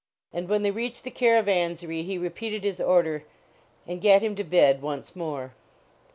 And when they reached the caravanserai he repeated his order and gat him to bed once more.